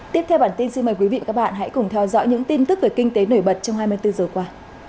tiếp theo bản tin xin mời quý vị và các bạn hãy cùng theo dõi những tin tức về kinh tế nổi bật trong hai mươi bốn giờ qua